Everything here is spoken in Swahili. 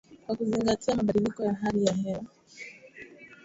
kwa kuzingatia mabadiliko ya hali ya hewa